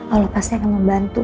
allah pasti akan membantu